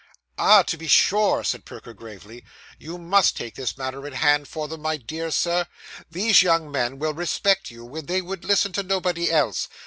'Ah, to be sure,' said Perker gravely. 'You must take this matter in hand for them, my dear sir. These young men will respect you, when they would listen to nobody else.